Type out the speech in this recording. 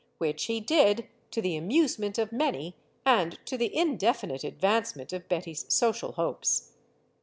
Which he did, to the amusement of many and to the indefinite advancement of Betty's social hopes.